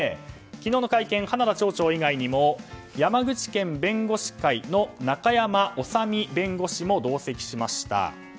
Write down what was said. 昨日の会見、花田町長以外にも山口県弁護士会の中山修身弁護士も同席しました。